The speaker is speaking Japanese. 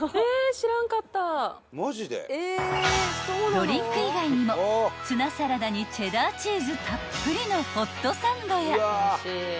［ドリンク以外にもツナサラダにチェダーチーズたっぷりのホットサンドや］